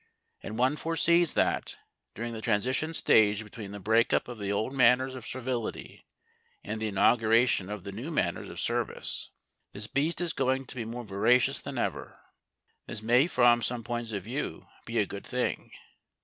And one foresees that, during the transition stage between the break up of the old manners of servility and the inauguration of the new manners of service, this beast is going to be more voracious than ever. This may from some points of view be a good thing.